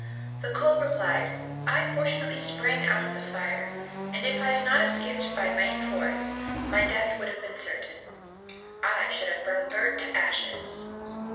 The coal replied, "I fortunately sprang out of the fire, and if I had not escaped by main force, my death would have been certain,—I should have been burnt to ashes."